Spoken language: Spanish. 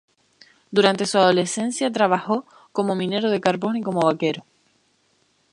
Durante su adolescencia trabajó como minero de carbón y como vaquero.